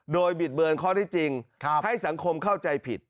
โดยบิดเบือนข้อได้จริงให้สังคมเข้าใจผิด